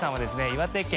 岩手県